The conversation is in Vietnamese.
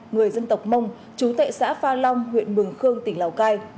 người dân tộc mông chú tệ xã pha long huyện mường khương tỉnh lào cai